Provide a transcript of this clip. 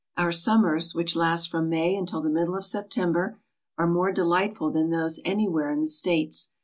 Our summers, which last from May until the middle of September, are more delightful than those any where in the States.